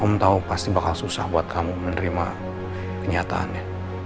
om tau pasti bakal susah buat kamu menerima kenyataannya